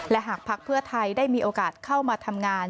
หากภักดิ์เพื่อไทยได้มีโอกาสเข้ามาทำงาน